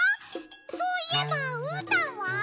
そういえばうーたんは？